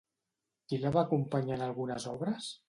Qui la va acompanyar en algunes obres?